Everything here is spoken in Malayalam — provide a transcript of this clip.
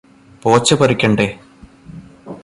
പോച്ച പറിക്കണ്ടേ?